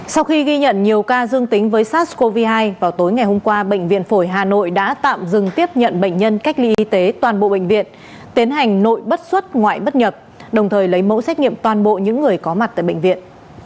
sau khi ghi nhận nhiều ca dương tính với sars cov hai vào tối ngày hôm qua bệnh viện phổi hà nội đã tạm dừng tiếp nhận bệnh nhân cách ly y tế toàn bộ bệnh viện tiến hành nội bất xuất ngoại bất nhập đồng thời lấy mẫu xét nghiệm toàn bộ những người có mặt tại bệnh viện